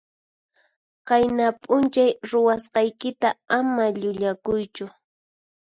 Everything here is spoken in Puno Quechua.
Qayna p'unchay ruwasqaykita ama llullakuychu.